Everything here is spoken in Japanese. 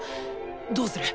どうする？